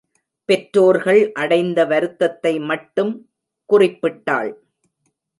பெற்றோர்கள் அடைந்த வருத்தத்தை மட்டும் குறிப் பிட்டாள்.